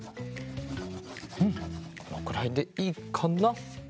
うんこのくらいでいいかな？